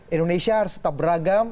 indonesia harus tetap beragam